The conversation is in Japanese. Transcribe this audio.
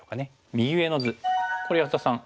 右上の図これ安田さん